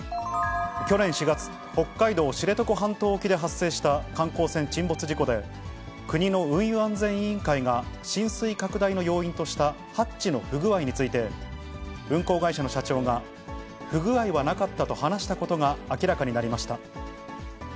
去年４月、北海道知床半島沖で発生した観光船沈没事故で、国の運輸安全委員会が浸水拡大の要因としたハッチの不具合について、運航会社の社長が不具合はなかったと話したことが明らかになりました。